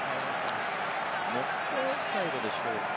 ノックオンオフサイドでしょうか。